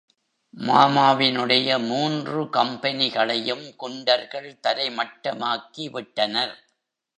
மாமாவினுடைய மூன்று கம்பெனிகளையும் குண்டர்கள் தரைமட்டமாக்கி விட்டனர்.